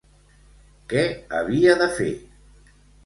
Què havia de fer?